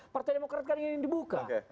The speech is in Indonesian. partai demokrat kan ingin dibuka